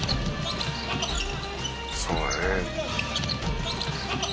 「そうだね」